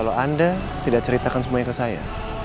kalau anda tidak ceritakan semuanya ke saya